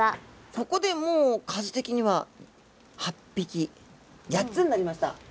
そこでもう数的には８匹８つになりました。